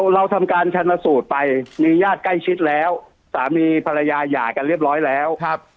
เราทำการชนสูตรไปมีญาติใกล้ชิดแล้วสามีภรรยาหย่ากันเรียบร้อยแล้ว